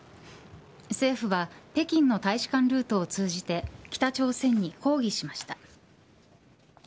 政府は北京の大使館ルートを通じて北朝鮮に抗議しました。